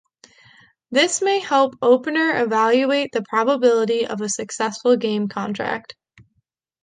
This may help opener evaluate the probability of a successful game contract.